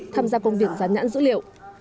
tham gia công việc gián nhãn dữ liệu